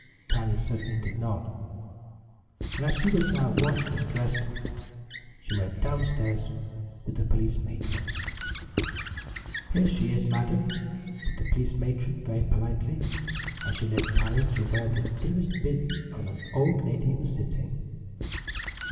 Tiny certainly did not, and as she was now washed and dressed she went down stairs with the police matron. "Here she is, madam," said the police matron very politely as she led Tiny to where the dearest bit of an old lady was sitting.